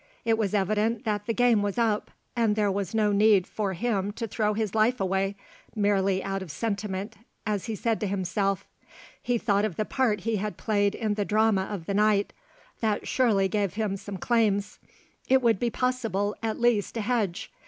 It was evident that the game was up, and there was no need for him to throw his life away, merely out of sentiment as he said to himself. He thought of the part he had played in the drama of the night. That surely gave him some claims; it would be possible at least to hedge.